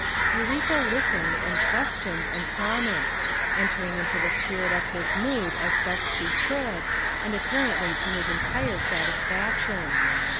" Eureka listened, and questioned, and prom ised; entering into the spirit of his mood as best she could, and apparently to his entire sat isfaction.